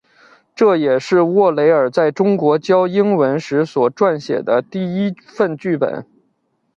这也是沃雷尔在中国教英文时所撰写的第一份剧本。